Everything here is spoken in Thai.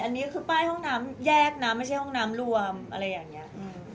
อันนี้คือป้ายห้องน้ำแยกนะไม่ใช่ห้องน้ำรวมอะไรอย่างนี้